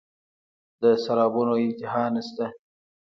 د سرابونو انتها نشته